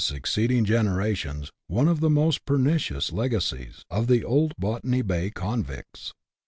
27 down to succeeding generations one of the most pernicious legacies of the old Botany Bay convicts.